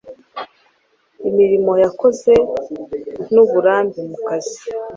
Imirimo yakoze n’uburambe mu kazi